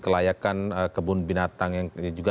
kelayakan kebun binatang yang